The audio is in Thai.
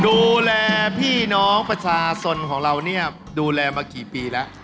ดูแลพี่น้องประชาชนของเราเนี่ยดูแลมากี่ปีแล้ว